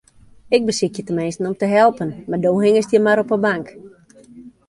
Ik besykje teminsten om te helpen, mar do hingest hjir mar op 'e bank.